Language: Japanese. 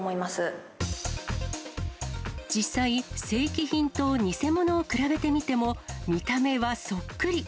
実際、正規品と偽物を比べてみても、見た目はそっくり。